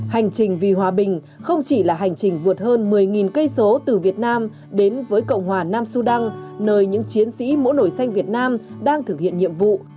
hành trình vì hòa bình không chỉ là hành trình vượt hơn một mươi cây số từ việt nam đến với cộng hòa nam sudan nơi những chiến sĩ mũ nổi xanh việt nam đang thực hiện nhiệm vụ